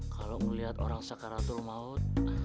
kalau ngeliat orang sakaratul maut